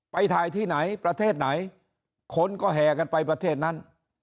ไปถ่ายที่ไหนประเทศไหนคนก็แห่กันไปประเทศนั้น